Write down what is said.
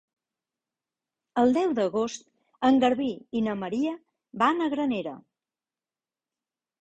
El deu d'agost en Garbí i na Maria van a Granera.